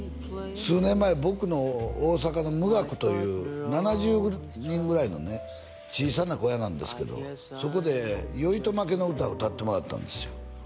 数年前僕の大阪の「無学」という７０人ぐらいのね小さな小屋なんですけどそこで「ヨイトマケの唄」を歌ってもらったんですよ